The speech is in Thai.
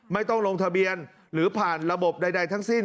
ไม่ต้องลงทะเบียนหรือผ่านระบบใดทั้งสิ้น